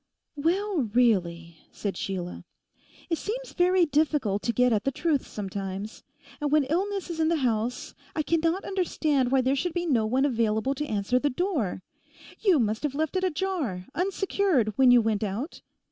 'Well, really,' said Sheila, 'it seems very difficult to get at the truth sometimes. And when illness is in the house I cannot understand why there should be no one available to answer the door. You must have left it ajar, unsecured, when you went out.